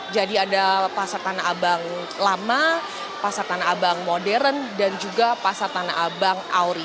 jadi ada pasar tanah abang lama pasar tanah abang modern dan juga pasar tanah abang auri